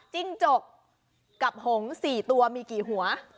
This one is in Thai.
จิ้งจกกับหง๔ตัวมีกี่หัว